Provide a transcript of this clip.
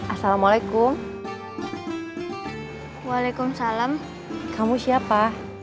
assalamualaikum waalaikumsalam kamu siapa